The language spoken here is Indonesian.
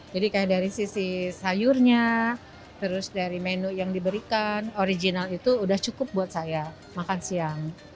jadi kayak dari sisi sayurnya terus dari menu yang diberikan original itu udah cukup buat saya makan siang